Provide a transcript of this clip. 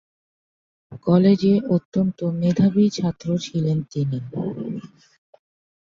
কলেজে অত্যন্ত মেধাবী ছাত্র ছিলেন তিনি।